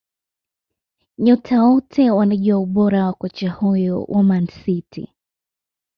Nyota wote wanajua ubora wa kocha huyo wa Man City